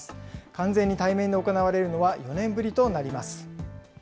完全に対面で行われるのは４年ぶりとなります。